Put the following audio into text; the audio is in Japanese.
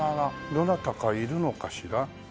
どなたかいるのかしら？